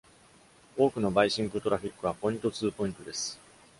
多くのバイシンクトラフィックはポイントツーポイントです。